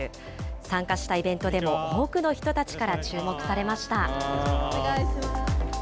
参加したイベントでも、多くの人たちから注目されました。